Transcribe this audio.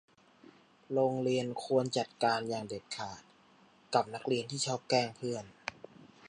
โรงเรียนควรจัดการอย่างเด็ดขาดกับนักเรียนที่ชอบแกล้งเพื่อน